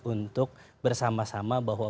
untuk bersama sama bahwa